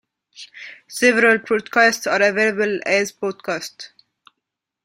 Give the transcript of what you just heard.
Several broadcasts are available as podcasts.